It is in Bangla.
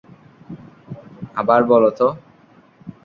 আবার বলো তো?